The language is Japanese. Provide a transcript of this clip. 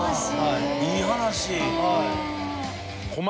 いい話。